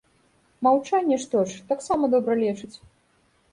Маўчанне што ж, таксама добра лечыць.